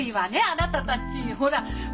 あなたたちほら。